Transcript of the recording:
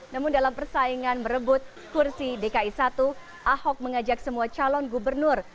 namun dalam persaingan merebut kursi dki satu ahok mengajak semua calon gubernur